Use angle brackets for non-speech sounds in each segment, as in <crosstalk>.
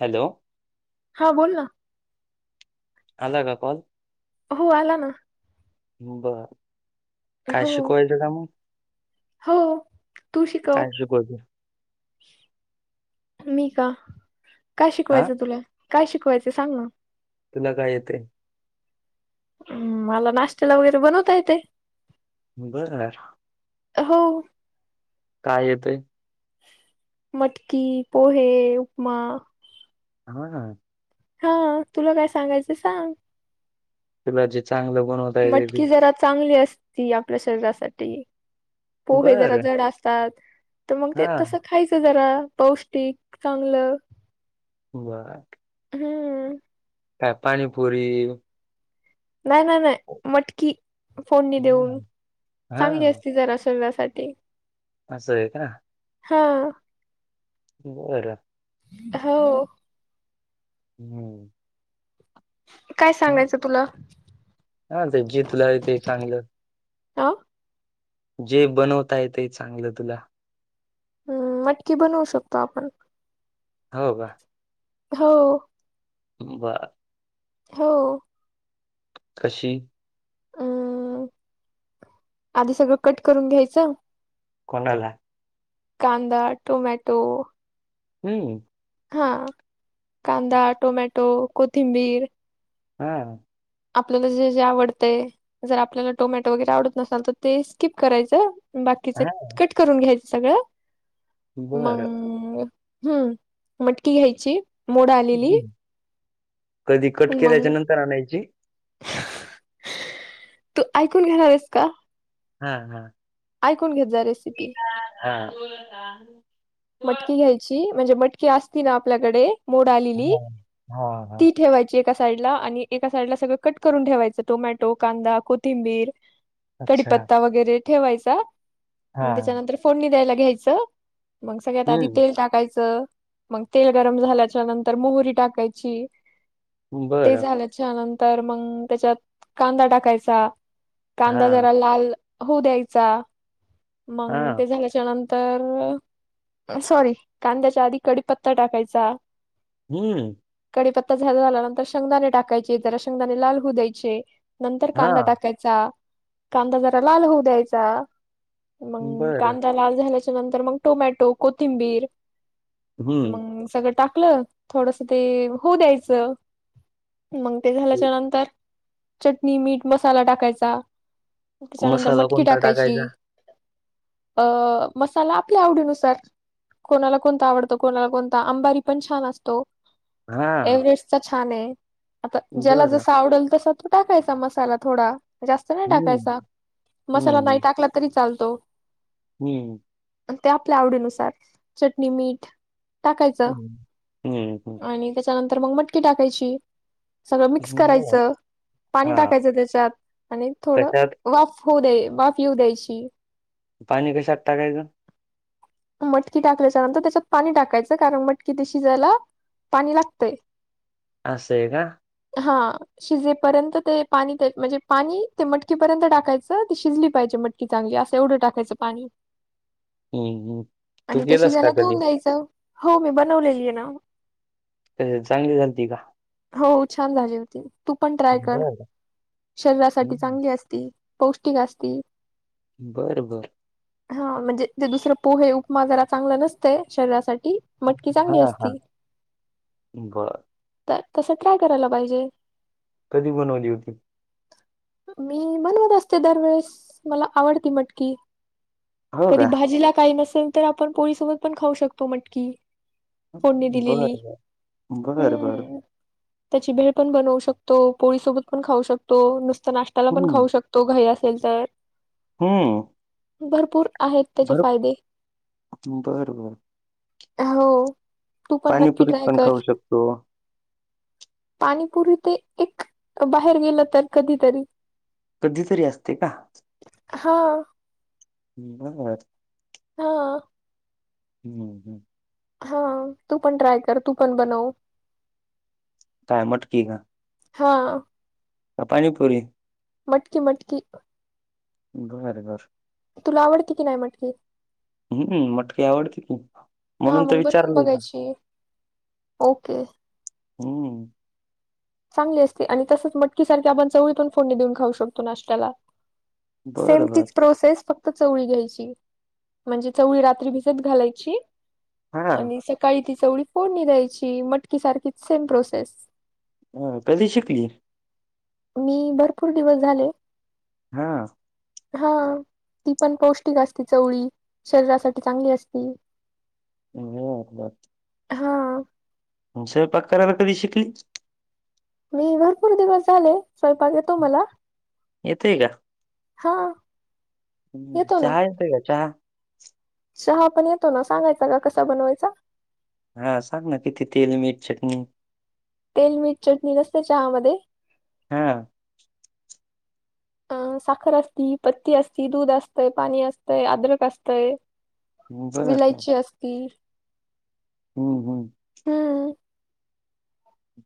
Hello. हा बोल ना. आला का कॉल? हो आला ना. बर. काय हो, शिकवायचं का मग हो तू शिकव. काय शिकवायचं मी का, का हा शिकवायचं तुला? काय शिकवायचं सांग ना? तुला काय येतंय? अं मला नाश्त्याला वगैरे बनवता येतंय. बर. हो. काय येतंय? मटकी, पोहे, उपमा. हा. हा. तुला काय सांगायचं सांग. तुला जे चांगलं बनवत मटकी जरा चांगली असती आपल्या शरीरासाठी. पोहे जरा बर जड असतात, तर मग ते हा तसं खायचं जरा. पौ ष्टिक, चांगलं. बर. हम्म. काय पाणीपुरी नाय, नाय, ‌नाय. मटकी फोडणी देऊन हं, चांगली हा असती जरा शरीरासाठी. असं आहे का? हा. बरं. हो. हम्म. काय सांगायचं तुला? <unintelligible> जे तुला येतय चांगलं. अ जे बनवता येतंय चांगलं तुला. हम्म, मटकी बनवू शकतो आपण. हो का? हो. बर. हो. कशी? अम आधी सगळं कट करून घ्यायचं. कोणाला? कांदा, टोमॅटो. हम्म. हा कांदा, टोमॅटो, कोथिंबीर. हा. आपल्याला जे जे आवडतय, जर आपल्याला टोमॅटो वगैरे आवडत नसाल तर ते स्किप करायचं. बाकीचं हा कट करून घ्यायचं सगळ बर मंग हम्म, मटकी घ्यायची. मोड आलेली कधी कट मग केल्याच्या नंतर आणायची? तू ऐकून घेणार आहेस का? हा, हा. ऐकून घेत जा रेसिपी. हा. मटकी घ्यायची म्हणजे मटकी असती ना आपल्याकडे मोड आलेली, हा हा हा ती ठेवाय ची एका साइडला आणि एका साइडला सगळं कट करून ठेवायचं. टोमॅटो, कांदा, कोथिंबीर अच्छा कडीपत्ता वगैरे ठेवायचा, हा मग त्याच्यानंतर फोडणी द्यायला घ्यायचं. मग सगळ्यात आधी हम्म तेल टाकायचं. मग तेल गरम झाल्याच्या नंतर मोहरी टाकायची. ते बरं झाल च्यानंतर मग त्याच्यात कांदा टाकायचा, हा कांदा जरा लाल होऊ द्यायचा. हा मग ते झाल्याच्या नंतर सॉरी कांद्याच्या आधी कडीपत्ता टाकायचा. हम्म. कडीपत्ता झाला झाल्यानंतर शेंगदाणे टाकायचे, जरा शेंगदाणे लाल होऊ द्यायचे. नंतर हा कांदा टाकायचा, कांदा जरा लाल होऊ द्यायचा. मंग बरं कांदा लाल झाल्याच्या नंतर, मग टोमॅटो, कोथिंबीर हम्म मग सगळं टाकलं. थोडस ते होऊ द्यायचं मंग ते झाल्याच्या नंतर चटणी, मीठ, मसाला टाकायचा. त्याच्यानंतर मसाला मटकी कोणता टाकायची. टाकायचा अ मसाला आपल्या आवडीनु सारं कोणाला कोणता आवडतो, कोणाला कोणता अंबारी पण छान असतो. हा एव्हरेस्टचा छान आहे. आता ज्याला बरं जसं आवडलं तसं तो टाकायचा मसाला थोडा, जास्त नाही हम्म टाकायचा. मसाला हम्म नाही टाकला तरी चालतो. हम्म. आणि ते आपल्या आवडीनुसार चटणी, मीठ टाकायचं हम्म हम्म आणि त्याच्यानंतर मग मटकी टाकायची. सगळं मिक्स हम्म करायचं. पाणी हा टाकायचं त्याच्यात आणि थोडं कशात वाफ होऊ दे वाफ येऊ द्यायची. पाणी कशात टाकायचं? मटकी टाकल्याच्या नंतर त्याच्यात पाणी टाकायचं, कारण मटकी ती शिजायला पाणी लागतंय. असंय का? हा. शिजेपर्यंत ते पाणी ते म्हणजे पाणी ते मटकीपर्यंत टाकायचं, ती शिजली पाहिजे मटकी. की चांगली असं एवढं टाकायचं पाणी. हम्म, हम्म. तू आणि ते गेलास का शीजायला कधी ठेवून द्यायचं. हो मी बनवलेली आहे ना. ते चांगली झालती का? हो छान झाली होती. तू पण ट्राय कर, बर शरीरासाठी चांगली असती. पौष्टिक असती. बर बर. हा म्हणजे तेे दुसरं पोहे, उपमा जरा चांगला नसतंय शरीरासाठी. मटकी हा चांगली हा असती बर. तर तसं काय करायला पाहिजे? कधी बनवली होती? मी बनवत असते दरवेेळेस, मला आवडती मटकी. हो कधी का? भाजीला काही नसेल, तर आपण पोळीसोबत पण खाऊ शकतो मटकी. फोडणे दिलेली, बर बर बर बर हम्म. त्याची भेळ पण बनवू शकतो. पोळीसोबत पण खाऊ शकतो. नुसत नाश्त्याला पण खाऊ हं, शक तो, घाई असेल तर. हम्म. भरपूर आहेत त्याचे फायदे. बर बर हो. तू पण नक्की पाणीपुरीत ट्राय पण कर. खाऊ शकतो. पाणीपुरी ते एक, बाहेर गेलं तर कधीतरी. कधीतरी असते का? हो. हम्म बनवत हा. हं हम्. हो, तू पण ट्राय कर, तू पण बनव. काय मटकी का? हा. का पाणीपुरी? मटकी मटकी. बर बर. तुला आवडते की नाही म्हटकी? हम्म मटकी आवडती की, हा म्हणून तर मग बनवून विचारलं हुतं. बघायची. ओके. हं, चांगली असते आणि तसंच मटकी सारखी आपण चवळीपण फोडणी देऊन खाऊ शकतो नाश्त्याला. सेम बरं बरं. तीच प्रोसेस फक् त चवळी घ्यायची. म्हणजे चवळी रात्री भिजत घालायची हां, आणि स काळी ती चवळी फोडणी द्यायची. मटकी सारखी सेम प्रोसेस. हा, कधी शिकली? मी भरपूर दिवस झाले हा. हा. तीपण पौष्टिक असती चवळी, शरीरासाठी चांगली असती. मले वाटलंच. हा. हम्म, स्वयंपाक कराला कधी शिकली? मी भरपूर दिवस झाले, स्वयंपाक येतो मला. येतय का? हा. हम्म, येतो ना चहा येतोय का चहा? चहा पण येतो ना, सांगायचा का कसा बनवायचा? हा सांग ना, किती तेल, मीठ, चटणी? तेल, मीठ, चटणी नसते चहामध्ये. हा. अ साखर असती, पत्ती असती, दूध असतंय, पाणी असतंय, अद्रक असतंय. <inaudible> विलायची असती. हम्म हम्म. हम्म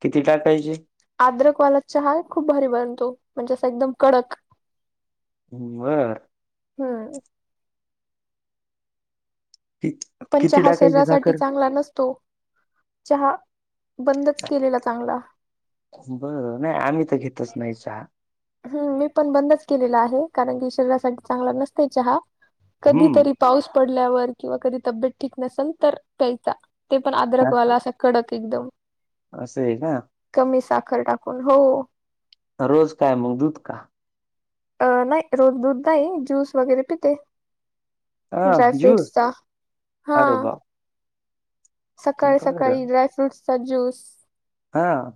किती टाकायची? आद्रकवालात चहा खूप भारी बनतो, म्हणजे असं एकदम कडक. <unintelligible> हा. कि पण किती चहा टाकायची शरीरासाठी साखर चांगला नसतो. चहा, बंदच केलेला चांगला. बर, नाही आम्ही तर घेतच नाही चहा. हम्म मी पण बंदच केलेला आहे, कारण की शरीरासाठी चांगला नसतंय चहा. हम्म कधीतरी पाऊस पडल्यावर किंवा कधी तब्येत ठीक नसेल, तर प्यायचा. ते पण अद्रक जास्त वाला असा कडक एकदम. असं हाय का? कमी साखर टाकून, हो. रोज काय मग दूध का? अ नाही रोज दूध नाही, ज्यूस वगैरे पिते. हा ड्राय ज्यूस फ्रीट्सचा, हा. अरे बाप सकाळी बर सकाळी ड्रायफ्रूट्सचा ज्यूस. हा.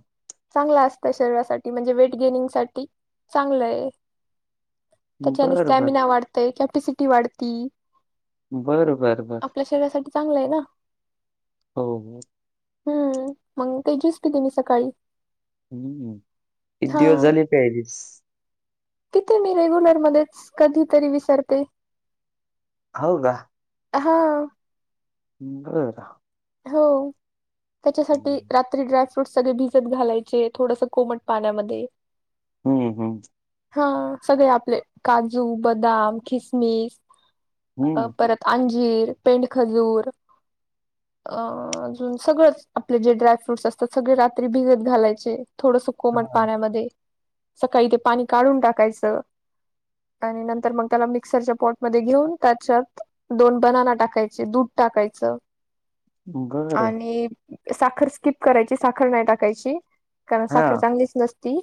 चांगलं असतं शरीरासाठी, म्हणजे वेटगेनिंग साठी चांगलंय. त्याच्याने बर बर स्टॅमिना वाढतंय, कॅपसिटी वाढती. बर बर बर. आपल्या शरीरासाठी चांगलं आहे ना. हो हो. हम्म, मग ते जूस पिते मी सकाळी. हम्म, किती हा दिवस झाले प्यायलीस? पिते मी रेग्युलर मध्येच, कधीतरी विसरते. हो का? हाव. <unintelligible> हो त्याच्यासाठी हम्म रा त्री ड्रायफ्रूटस सगळे भिजत घालायचे, थोडसं कोमट पाण्यामध्ये. हम्म <unintelligible> हा सगळे आपले. काजू, बदाम, खिसमिस अ हम्म परत अंजीर, पेंडखजूर अ अजून सगळंच, आपले जे ड्राय फ्रुट्स असतात सगळे रात्री भिगत घालायचे. थोडंस कोमट हा पाण्यामध्ये, सकाळी ते पाणी काढून टाकायचं. आणि नंतर मग त्याला मिक्सरच्या पॉटमध्ये घेऊन, त्याच्यात दोन बनाना टाकायचे, दूध टाकायचं. बर आणि साखर स्कीप करायची, साखर नाही टाकायची. कारण हा साखर चांगलीच नस ती,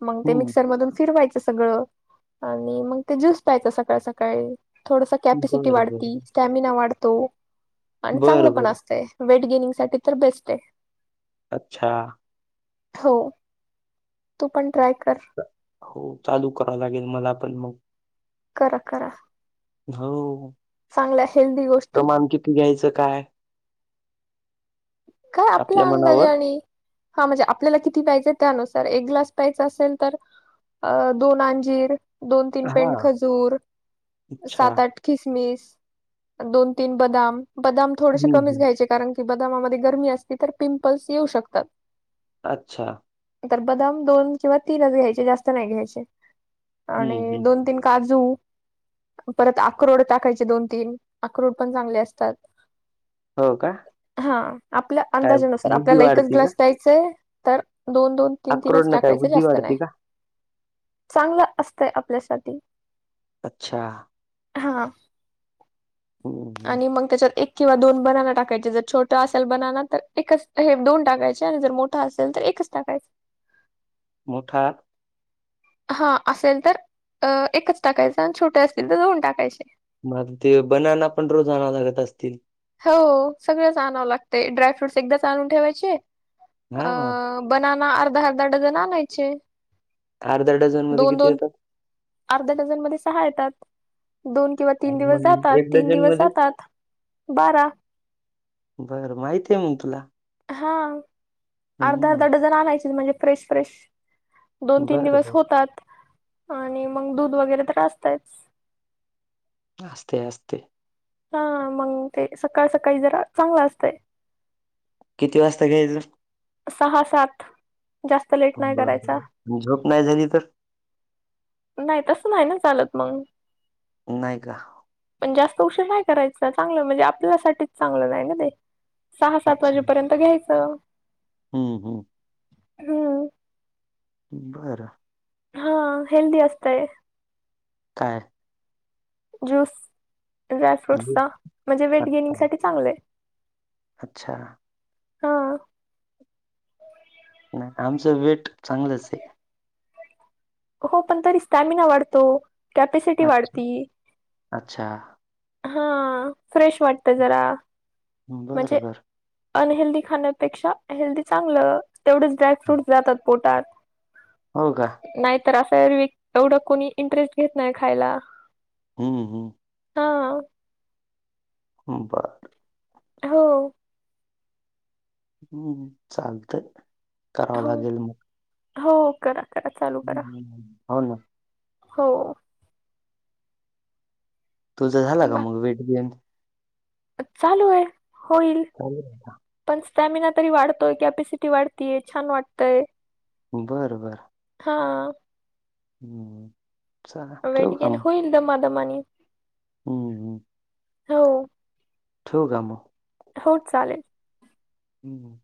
मग ते हम्म मिक्सरमधून फिरवायचं सगळं. आणि मग ते ज्यूस प्यायचा सकाळ सकाळी. थोडस कॅपसिटी बर वाढती बर स्टॅ मिना वाढतो. आणि चांगलं बर पण बर असतं वेट गेनिंग साठी तर बेस्ट आहे. अच्छा. हो, तू पण ट्राय कर. हो चालू करावं लागेल, मलापण मग. करा करा. हाव हो. चांगल्या हेल्दी गोष्टी प्रमाण किती घ्यायचं काय? काय आपल्या आपला मनावर अंदाजाने. हा म्हणजे आपल्याला किती प्यायचंय त्यानुसार. एक ग्लास प्यायचा असेल तर अ दोन अंजीर, दोन तीन हा पेंट खजूर, अच्छा सात आठ खिसमिस, दोन तीन बदाम, बदाम थोडेसे हम्म कमीच हम्म घ्यायचे कारण की ब दामामध्ये गरमी असती, तर पिंपल्स येऊ शकतात. अच्छा. तर बदाम दोन किंवा तीनच घ्यायचे, जास्त नाही घ्यायचे. आणि हम्म हम्म दोन तीन काजू. परत अक्रोड टाकायचे दोन तीन, अक्रोड पण चांगले असतात. हो काय? हा आपल्या अंदाजानुसार. बुद्धी आपल्याला एकच वाढती का ग्लास प्यायचाय, तर दोन दोन तीन अक्रोड तीनच न काय टाकायचे बुद्धी जास्त नाही. वाढती का चांगलं असतंय आपल्यासाठी. अच्छा. हां. हम्म हम्म. आणि मग त्याच्यात एक किंवा दोन बनाना टाकायचे. जर छोटं असेल, बनाना तर एकच हे दोन टाकायचे आणि जर मोठ ठा असेल तर एकच टाकायच. मोठा हा असेल तर अ एकच टाकायचा. आणि छोटे असतील तर दोन टाकायचे. मग ते बनाना पण रोज आणावं लागत असतील. हो सगळंच आणावं लागतय. ड्रायफ्रूटस एकदाच आणून ठेवायचे. अ हा बनना अर्धा अर्धा डझन आणायचे. अर्धा डझन मध्ये दोन किती दोन येतात,? अर्ध्या डझन मध्ये सहा येतात. दोन किंवा तीन आणि दिवस मग जातात, एक तीन डझन दिवस मध्ये जातात. बारा. बरं माहिती हाय मंग तुला? हा. अर्धा हम्म अर्धा डझन आणायचे, म्हणजे फ्रेश फ्रेश दोन, तीन बर दिवस बर होतात. आणि मंग दूध वगैरे तर असतयच. असतंय असतंय. हा मग ते, सकाळ सकाळी जरा चांगलं असतंय. किती वाजता घ्यायचं? सहा सात, जास्त लेट नाही करायचा. बरं झोप नाही झाली तर नाही, तसं नाही ना चालत मंग. नाही का? पण जास्त उशीर नाही करायचा. चांगलं म्हणजे आपल्यासाठीच चांगलं नाही ना ते. सहा सात अच्छा वाजेपर्यंत घ्यायचं. हम्म हम्म. हम्म. बरं. हा हेल्दी असतंय. काय? ज्यूस ड्राय झोप फ्रूट्सचा म्हणजे वेट अच्छा गेनिंगसाठी चांगलं हाय. अच्छा. हा नाही, आमचं वेट चांगलंच हाय. हो पण तरी स्टॅमिना वाढतो, कॅपॅसिटी अच्छा वाढती. अच्छा. हा, फ्रेश वाटत जरा. बरं, म्हणजे बरं. अनहेल्दी खाण्यापेक्षा हेल्दी चांगलं. तेवढेच ड्राय फ्रूट्स जातात पोटात. हो का? नाहीतर असं <unintelligible> एवढं कोणी इंटरेस्ट घेत नाही खायला. हम्म, हम्म. हा. बर. हो. हम्म चालतंय, करावं हो लागेल मग. हो करा, करा चालू करा. हम्म. हो ना हो. तुझं झाला का बा मग वेट गेन? चालू आहे, होईल. चालू आहे का? पण स्टॅमिना तरी वाढतोय, कॅपॅसिटी वाढतीय, छान वाटतंय. बरं बरं. हां. हम्म. चला वेट ठेवू का गेन मग होईल दमा दमानी. हम्म, हम्म. ठेवू का मग? हो चालेल. हम्म.